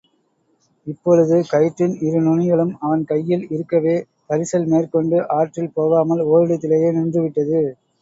இப்பொழுது கயிற்றின் இரு நுனிகளும் அவன் கையில் இருக்கவே, பரிசல் மேற்கொண்டு ஆற்றில் போகாமல் ஓரிடத்திலேயே நின்றுவிட்டது.